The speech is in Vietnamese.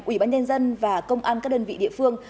ủy ban nhân dân và công an các đơn vị địa phương